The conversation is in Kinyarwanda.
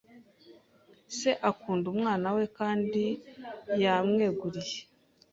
Se akunda Umwana we kandi yamweguriye